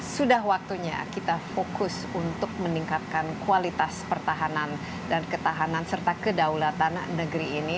sudah waktunya kita fokus untuk meningkatkan kualitas pertahanan dan ketahanan serta kedaulatan negeri ini